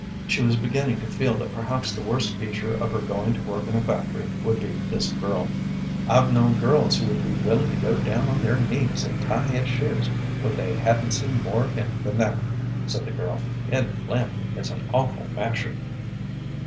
She was beginning to feel that perhaps the worst feature of her going to work in a factory would be this girl. "I've known girls who would be willing to go down on their knees and tie his shoes when they hadn't seen more of him than that," said the girl. "Ed Flynn is an awful masher."